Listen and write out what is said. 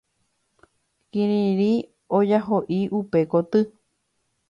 Kirirĩ ojahoʼi upe koty.